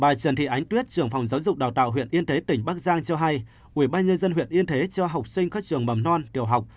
bà trần thị ánh tuyết trưởng phòng giáo dục đào tạo huyện yên thế tỉnh bắc giang cho hay ubnd huyện yên thế cho học sinh các trường mầm non tiểu học